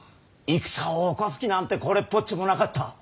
戦を起こす気なんてこれっぽっちもなかった。